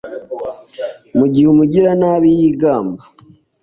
Mu gihe umugiranabi yigamba